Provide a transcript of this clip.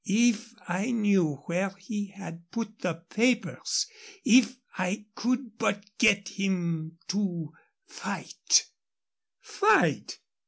"If I knew where he had put the papers if I could but get him to fight " "Fight!